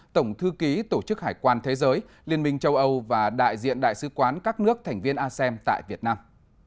tổng thư ký tổ chức hải quan thế giới liên minh châu âu và đại diện đại sứ quán các nước thành viên asem tại việt nam